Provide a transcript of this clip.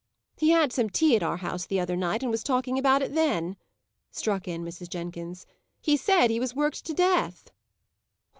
"He had some tea at our house the other night, and was talking about it then," struck in Mrs. Jenkins. "He said he was worked to death."